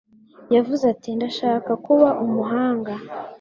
Yavuze ati: "Ndashaka kuba umuhanga."